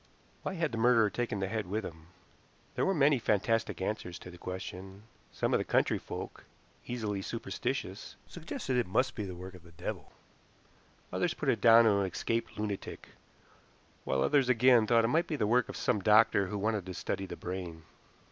Why had the murderer taken the head with him? There were many fantastic answers to the question. Some of the country folk, easily superstitious, suggested that it must be the work of the devil, others put it down to an escaped lunatic, while others again thought it might be the work of some doctor who wanted to study the brain.